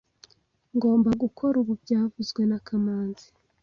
Ngomba gukora ubu byavuzwe na kamanzi